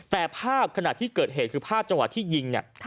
แต่ภาพขนาดที่เกิดเหตุคือภาพจังหวะที่ยิง